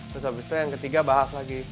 terus habis itu yang ketiga bahas lagi